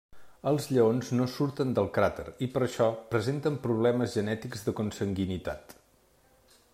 Els lleons no surten del cràter i per això presenten problemes genètics de consanguinitat.